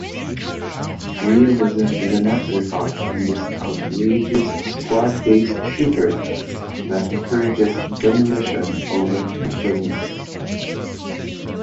Realism is an afterthought in this outrageous squad-based shooter that encourages demolition over diplomacy.